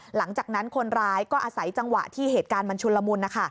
หลังจากนั้นคนร้ายก็อาศัยจังหวะที่เหตุการณ์มันชุนละมุน